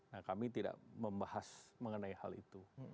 nah kami tidak membahas mengenai hal itu